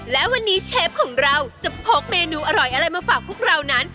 และวันนี้เชฟของเราจะพกเมนูอร่อยอะไรมาฝากพวกเรานั้น